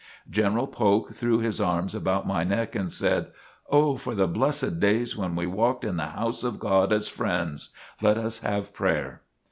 General Polk threw his arms about my neck and said: "Oh, for the blessed days when we walked in the house of God as friends! Let us have prayer!"